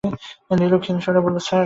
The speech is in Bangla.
নীলু ক্ষীণ স্বরে বলল, স্যার।